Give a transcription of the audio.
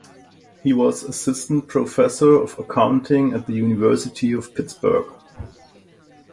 He was assistant professor of accounting at the University of Pittsburgh.